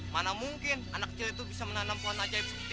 mana mungkin anak kecil itu bisa menanam pohon ajaib